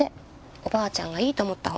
おばあちゃんがいいと思った本。